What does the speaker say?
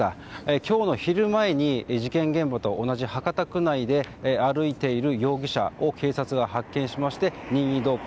今日の昼前に事件現場と同じ博多区内で歩いている容疑者を警察が発見しまして任意同行。